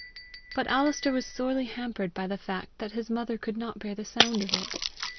But Alister was sorely hampered by the fact that his mother could not bear the sound of it.